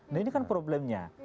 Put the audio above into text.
nah ini kan problemnya